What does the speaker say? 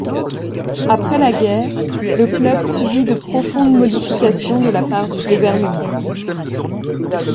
Après la guerre, le club subit de profondes modifications de la part du gouvernement.